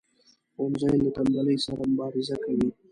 ښوونځی له تنبلی سره مبارزه کوي